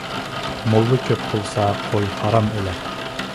موللا كۆپ بولسا، قوي ھارام ئۆلەر.